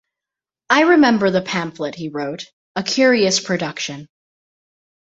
I remember the pamphlet he wrote — a curious production.